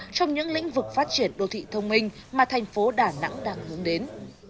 trong những lĩnh vực phát triển đô thị thông minh mà thành phố đà nẵng đang hướng đến